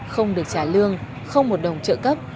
không được trả lương không một đồng trợ cấp